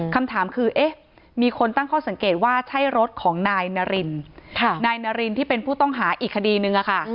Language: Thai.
คำถามคือเอ๊ะมีคนตั้งข้อสังเกตว่าใช่รถของนายนารินนายนารินที่เป็นผู้ต้องหาอีกคดีนึงอะค่ะ